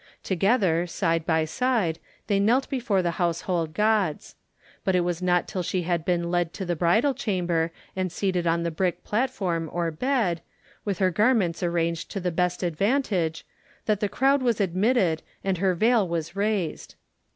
Together, side by side, they knelt before the household gods. But it was not till she had been led to the bridal chamber and seated on the brick platform or bed, with her garments arranged to the best advantage, that the crowd was admitted and her veil was raised.